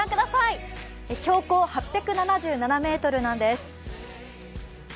標高８７７ｍなんです。